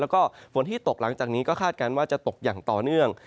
แล้วก็ฝนที่ตกหลังจากนี้ก็คาดการณ์ว่าจะตกอย่างต่อเนื่อง